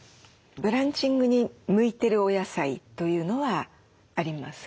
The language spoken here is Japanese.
ブランチングに向いてるお野菜というのはあります？